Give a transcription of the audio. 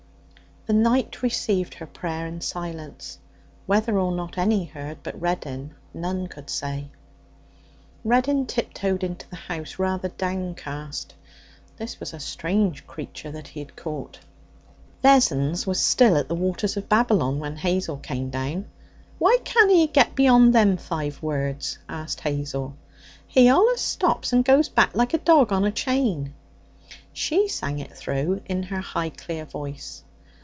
The night received her prayer in silence. Whether or not any heard but Reddin none could say. Reddin tiptoed into the house, rather downcast. This was a strange creature that he had caught. Vessons was still at the waters of Babylon when Hazel came down. 'Why canna he get beyond them five words?' asked Hazel. 'He allus stops and goes back like a dog on a chain.' She sang it through in her high clear voice.